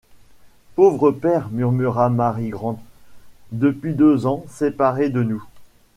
Pauvre père! murmura Mary Grant, depuis deux ans séparé de nous !